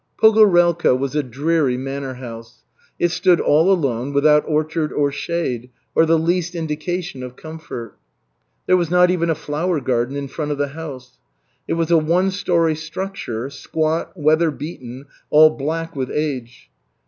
Pogorelka was a dreary manor house. It stood all alone, without orchard or shade, or the least indication of comfort. There was not even a flower garden in front of the house. It was a one story structure, squat, weather beaten, all black with age.